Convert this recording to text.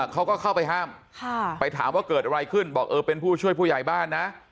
เขาก็เข้าไปห้ามไปถามว่าเกิดอะไรขึ้นบอกเออเป็นผู้ช่วยผู้ใหญ่บ้านนะ